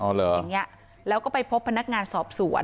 อย่างเงี้ยแล้วก็ไปพบพนักงานสอบสวน